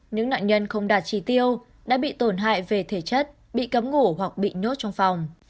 những nạn nhân không đạt trì tiêu đã bị tổn hại về thể chất bị cấm ngủ hoặc bị nhốt trong phòng